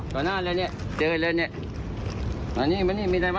ตำรวจถามว่าไปเดินเล่นห้างมา